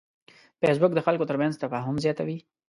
فېسبوک د خلکو ترمنځ تفاهم زیاتوي